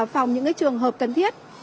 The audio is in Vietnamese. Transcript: phòng những trường hợp cần thiết